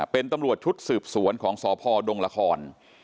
เป็นตำรวจชุดสืบสวนของสพดงละคร